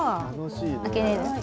開けれる？